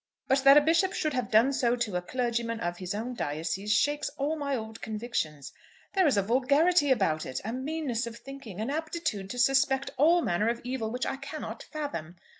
But that a bishop should have done so to a clergyman of his own diocese shakes all my old convictions. There is a vulgarity about it, a meanness of thinking, an aptitude to suspect all manner of evil, which I cannot fathom.